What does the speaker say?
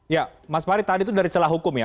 ya mas farid tadi itu dari celah hukum ya